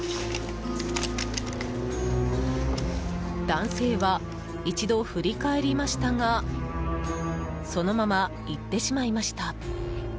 男性は、一度振り返りましたがそのまま行ってしまいました。